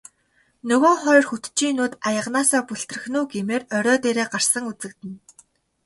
Нөгөө хоёр хөтчийн нүд аяганаасаа бүлтрэх нь үү гэмээр орой дээрээ гарсан үзэгдэнэ.